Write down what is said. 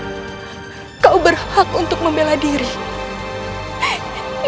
jika suatu saat nanti ayahmu datang untuk meminta maaf